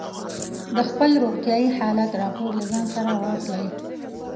د خپل روغتیايي حالت راپور له ځان سره واخلئ.